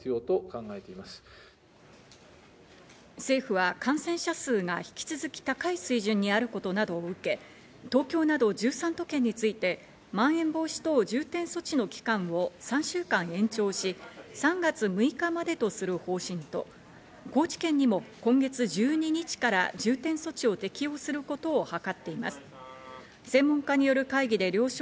政府は感染者数が引き続き高い水準にあることなどを受け、東京など１３都県についてまん延防止等重点措置の期間を３週間延長し、３月６日までとする方針と、高知県にも今月１２日から重点措置を適用することを